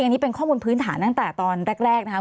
อันนี้เป็นข้อมูลพื้นฐานตั้งแต่ตอนแรกนะครับ